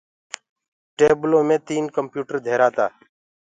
ٽيبلو مي تين ڪمپيوٽر ڌيرآ تآ